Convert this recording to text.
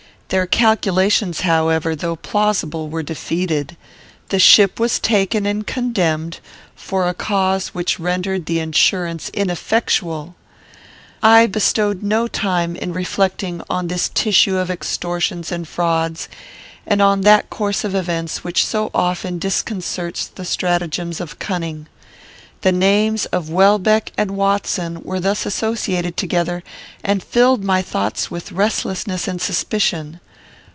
Their calculations, however, though plausible, were defeated. The ship was taken and condemned, for a cause which rendered the insurance ineffectual. "I bestowed no time in reflecting on this tissue of extortions and frauds, and on that course of events which so often disconcerts the stratagems of cunning. The names of Welbeck and Watson were thus associated together, and filled my thoughts with restlessness and suspicion.